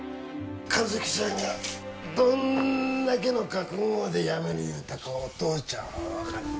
和希ちゃんがどんだけの覚悟でやめる言うたかお父ちゃんは分かる。